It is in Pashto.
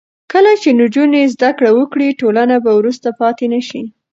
کله چې نجونې زده کړه وکړي، ټولنه به وروسته پاتې نه شي.